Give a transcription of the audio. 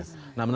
nah menurut anda